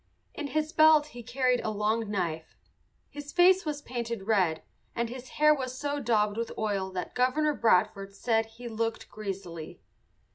In his belt he carried a long knife. His face was painted red, and his hair was so daubed with oil that Governor Bradford said he "looked greasily."